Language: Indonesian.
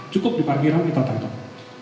cukup di parkiran kita tangkap